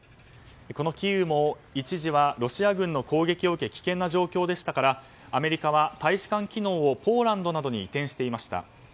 このキーウも一時はロシア軍の攻撃を受け危険な状況でしたからアメリカは大使館機能をポーランドなどに移転していました。